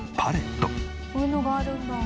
「こういうのがあるんだ」